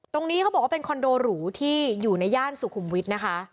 ตรงนี้เขาบอกว่าเป็นคอนโดหรูที่อยู่ในย่านสุขุมวิทย์นะคะ